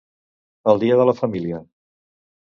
El dia de la família.